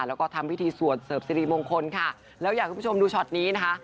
แล้วก็ทำพิธีสวดเสิร์ฟสิริมงคลค่ะแล้วอยากให้คุณผู้ชมดูช็อตนี้นะคะ